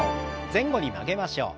前後に曲げましょう。